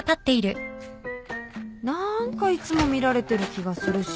何かいつも見られてる気がするし。